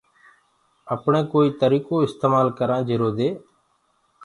اپڻي ڪوئيٚ تريٚڪو اِستمآل ڪرآنٚ جرو دي